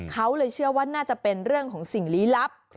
เขาเลยเชื่อว่าน่าจะเป็นเรื่องของสิ่งลี้ลับ